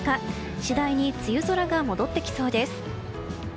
次第に梅雨空が戻ってきそうです。